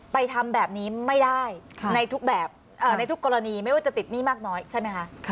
ทำแบบนี้ไม่ได้ในทุกแบบในทุกกรณีไม่ว่าจะติดหนี้มากน้อยใช่ไหมคะ